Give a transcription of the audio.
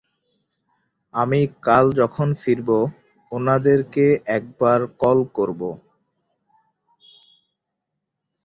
আমি কাল যখন ফিরবো ওনাদেরকে একবার কল করবো।